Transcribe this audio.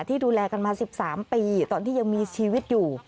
ดูแลกันมา๑๓ปีตอนที่ยังมีชีวิตอยู่